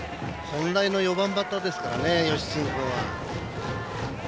本来の４番バッターですからね吉次君は。